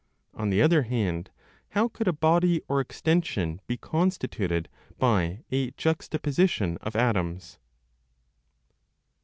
On the other hand, how could a body or extension be constituted by (a juxtaposition of) atoms?